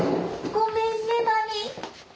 ごめんねマミ。